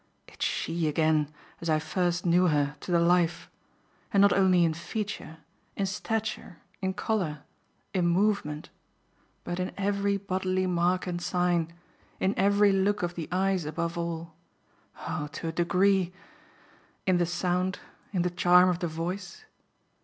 It's SHE again, as I first knew her, to the life; and not only in feature, in stature, in colour, in movement, but in every bodily mark and sign, in every look of the eyes above all oh to a degree! in the sound, in the charm of the voice."